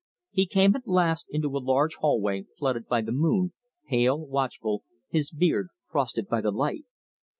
He came at last into a large hallway flooded by the moon, pale, watchful, his beard frosted by the light.